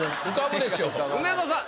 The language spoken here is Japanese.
梅沢さん